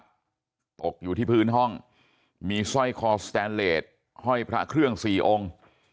ตกอยู่ที่พื้นห้องมีสร้อยคอสแตนเลสห้อยพระเครื่องสี่องค์